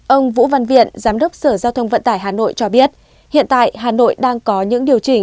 ông vũ văn viện giám đốc sở giao thông vận tải hà nội cho biết hiện tại hà nội đang có những điều chỉnh